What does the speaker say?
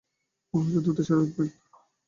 মনে হচ্ছে দ্রুতই সেরে উঠবেন।